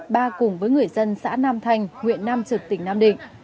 ba cùng với người dân xã nam thanh huyện nam trực tỉnh nam định